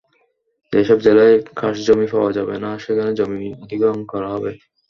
যেসব জেলায় খাসজমি পাওয়া যাবে না, সেখানে জমি অধিগ্রহণ করা হবে।